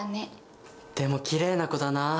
でもきれいな子だなあ。